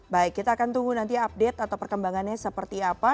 baik kita akan tunggu nanti update atau perkembangannya seperti apa